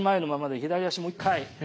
左足もう一回。